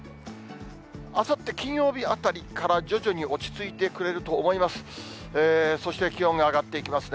あさって金曜日あたりから、徐々に落ち着いてくれると思います。